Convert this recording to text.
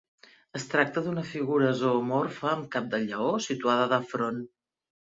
Es tracta d'una figura zoomorfa amb cap de lleó situada de front.